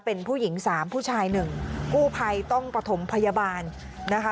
เป็นผู้หญิงสามผู้ชายหนึ่งกู้ภัยต้องประถมพยาบาลนะคะ